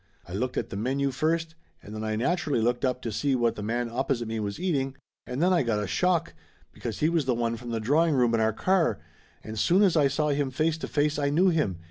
I looked at the menu first, and then I naturally looked up to see what the man opposite me was eating, and then I got a shock, because he was the one from the drawing room in our car, and soon as I saw him face to face I knew him.